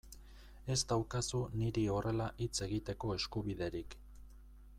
Ez daukazu niri horrela hitz egiteko eskubiderik.